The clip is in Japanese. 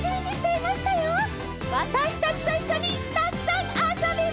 わたしたちといっしょにたくさんあそびましょうね！